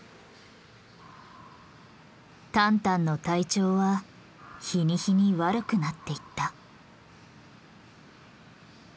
タンタンの体調は日に日に悪くなっていった。